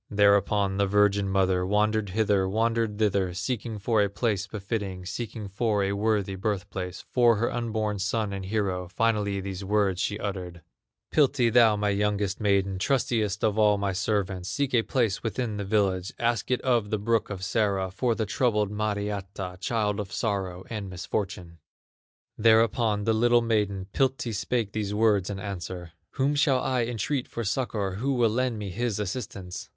Thereupon the virgin mother Wandered hither, wandered thither, Seeking for a place befitting, Seeking for a worthy birth place For her unborn son and hero; Finally these words she uttered "Piltti, thou my youngest maiden, Trustiest of all my servants, Seek a place within the village, Ask it of the brook of Sara, For the troubled Mariatta, Child of sorrow and misfortune." Thereupon the little maiden, Piltti, spake these words in answer: "Whom shall I entreat for succor, Who will lend me his assistance?"